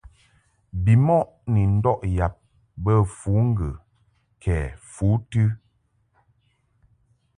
Bimɔʼ ni ndɔʼ yab bə fǔŋgə kɛ fǔtɨ.